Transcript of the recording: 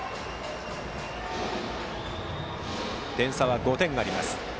点差は５点あります。